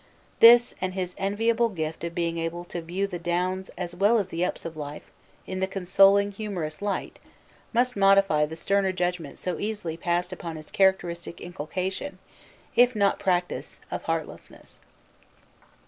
This, and his enviable gift of being able to view the downs as well as the ups of life in the consoling humorous light, must modify the sterner judgment so easily passed upon his characteristic inculcation, if not practice, of heartlessness.